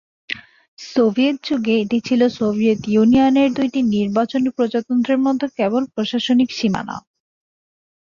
Soviet যুগে এটি ছিল সোভিয়েত ইউনিয়নের দুটি নির্বাচনী প্রজাতন্ত্রের মধ্যে কেবল প্রশাসনিক সীমানা।